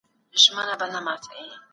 په لویه جرګه کي د سوداګرو استازي څوک دي؟